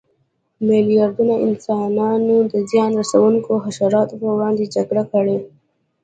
میلیاردونه انسانانو د زیان رسونکو حشراتو پر وړاندې جګړه کړې.